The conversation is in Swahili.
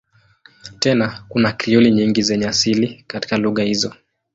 Tena kuna Krioli nyingi zenye asili katika lugha hizo.